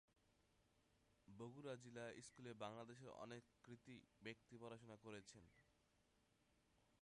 বগুড়া জিলা স্কুলে বাংলাদেশের অনেক কৃতী ব্যক্তি পড়াশোনা করেছেন।